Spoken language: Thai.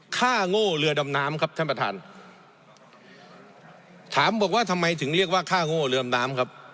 โง่เรือดำน้ำครับท่านประธานถามบอกว่าทำไมถึงเรียกว่าค่าโง่เรือมน้ำครับ